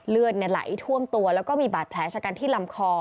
เลือดไหลท่วมตัวแล้วก็มีบาดแผลชะกันที่ลำคอ